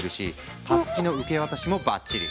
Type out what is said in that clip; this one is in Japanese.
タスキの受け渡しもバッチリ。